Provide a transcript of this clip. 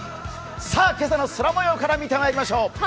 さぁ今朝の空もようから見ていきましょう。